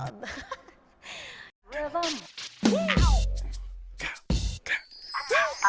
terdapatlah terdapatlah terdapatlah